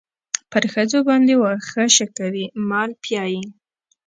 پر ښځو باندې واښه شکوي مال پيايي.